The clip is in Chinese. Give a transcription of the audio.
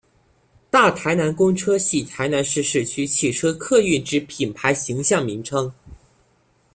大台南公车系台南市市区汽车客运之品牌形象名称。